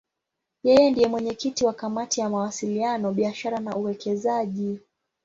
Yeye ndiye mwenyekiti wa Kamati ya Mawasiliano, Biashara na Uwekezaji.